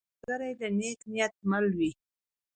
ملګری د نیک نیت مل وي